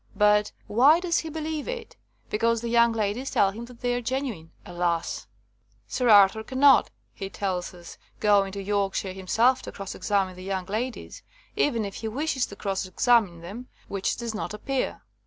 But why does he believe it? Because the young ladies tell him that they are genuine. Alas! Sir Arthur cannot, he tells us, go into Yorkshire himself to cross examine the young ladies, even if he wishes to cross examine them, which does not appear.